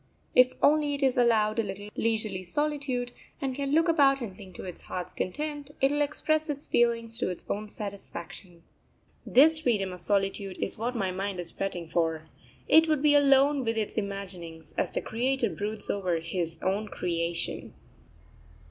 If only it is allowed a little leisurely solitude, and can look about and think to its heart's content, it will express its feelings to its own satisfaction. This freedom of solitude is what my mind is fretting for; it would be alone with its imaginings, as the Creator broods over His own creation.